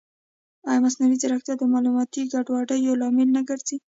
ایا مصنوعي ځیرکتیا د معلوماتي ګډوډۍ لامل نه ګرځي؟